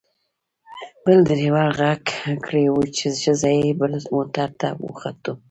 بل ډریور غږ کړی و چې ښځه یې بل موټر ته وخوته.